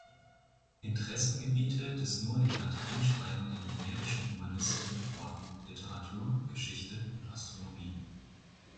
Interessengebiete des nur in Latein schreibenden mährischen Humanisten waren Literatur, Geschichte und Astronomie.